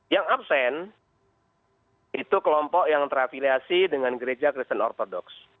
yang absen itu kelompok yang terafiliasi dengan gereja kristen ortodoks